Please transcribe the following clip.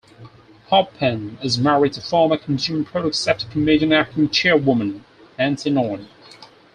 Halpern is married to former Consumer Product Safety Commission acting Chairwoman, Nancy Nord.